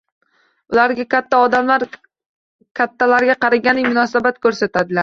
Ularga katta odamlar kattalarga qaragandek munosabat ko‘rsatadilar.